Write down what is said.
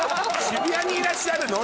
渋谷にいらっしゃるの？